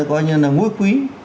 năm gọi như là mối quý